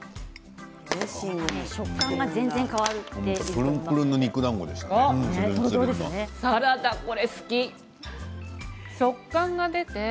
食感が全然変わっています。